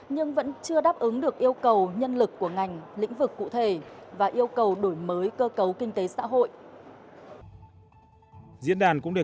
nhưng vẫn chưa đáp ứng được yêu cầu nhân lực của ngành lĩnh vực cụ thể và yêu cầu đổi mới cơ cấu kinh tế xã hội